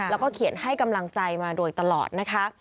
แล้วก็เขียนให้กำลังใจมาโดยตลอดนะคะ